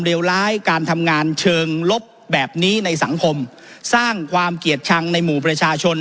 ร้ายการทำงานเชิงลบแบบนี้ในสังคมสร้างความเกลียดชังในหมู่ประชาชน